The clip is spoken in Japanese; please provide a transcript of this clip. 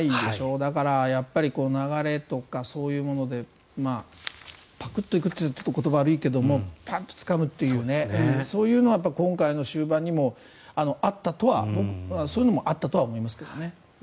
だから、流れとかそういうものでパクッと行くと言うと言葉が悪いけどもパッとつかむというねそういうのは今回の終盤にもあったとはそういうのもあったとは思いますけどね。